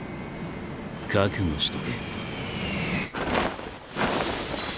覚悟しとけ。